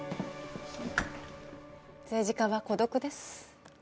政治家は孤独です。